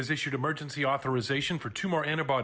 fda telah mengisi pengaturan kecemasan untuk dua lagi tes antibodi